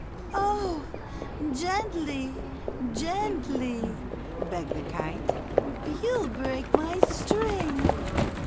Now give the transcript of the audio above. "Oh! gently, gently," begged the kite, "you'll break my string.